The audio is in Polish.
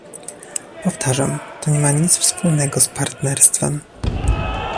Powtarzam, to nie ma nic wspólnego z partnerstwem